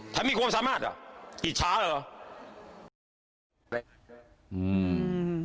มีความสามารถเหรออิจฉาเหรออืม